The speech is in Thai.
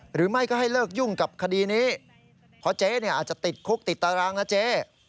หรือไม่ก็ให้เลิกยุ่งกับคดีนี้เพราะเจ๊เนี่ยอาจจะติดคุกติดตารางนะเจ๊